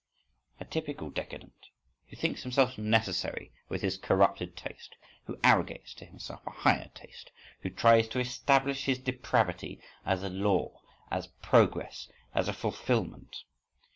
_ A typical décadent who thinks himself necessary with his corrupted taste, who arrogates to himself a higher taste, who tries to establish his depravity as a law, as progress, as a fulfilment.